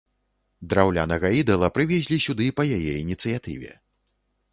Драўлянага ідала прывезлі сюды па яе ініцыятыве.